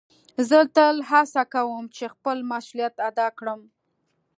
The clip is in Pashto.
زه تل هڅه کؤم چي خپل مسؤلیت ادا کړم.